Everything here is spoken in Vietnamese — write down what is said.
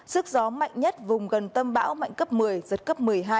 sức gió mạnh nhất vùng gần tâm áp thấp nhiệt đới mạnh cấp một mươi giật cấp một mươi hai